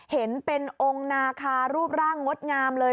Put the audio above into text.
เห็นเป็นองค์นาคารูปร่างงดงามเลย